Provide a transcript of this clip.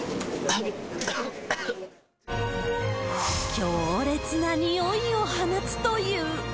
強烈な臭いを放つという。